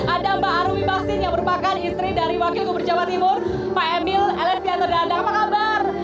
ada mbak arumi maksin yang merupakan istri dari wakil gubernur jawa timur pak emil lsp atur danda apa kabar